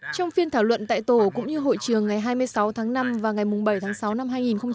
trong phiên thảo luận tại tổ cũng như hội trường ngày hai mươi sáu tháng năm và ngày bảy tháng sáu năm hai nghìn một mươi chín